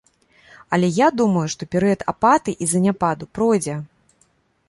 Але я думаю, што перыяд апатыі і заняпаду пройдзе.